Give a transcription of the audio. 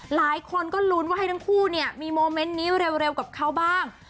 หลายคนก็ลุ้นว่าให้ทั้งคู่เนี่ยมีโมเมนต์นี้เร็วกับเขาบ้าง